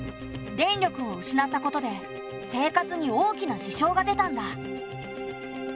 電力を失ったことで生活に大きな支障が出たんだ。